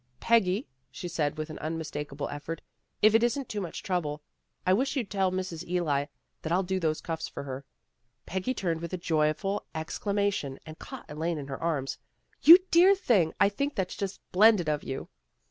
" Peggy," she said with an unmistakable effort, "if it isn't too much trouble, I wish you'd tell Mrs. Ely that I'll do those cuffs for her." Peggy turned with a joyful exclamation, and caught Elaine in her arms. " You dear thing. I think that's just splendid of you."